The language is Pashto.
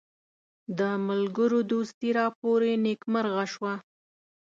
د ملګرو دوستي راپوري نیکمرغه شوه.